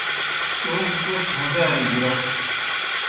توموْ پوْچوْ ہگارِجیْ رڇھ۔